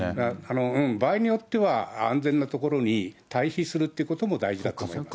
場合によっては安全な所に退避するということも大事だと思います。